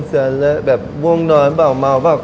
สาระแบบว่องนอนเปล่าเมาเปล่า